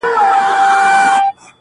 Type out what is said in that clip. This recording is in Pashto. د زاړه کفن کښ زوی شنل قبرونه،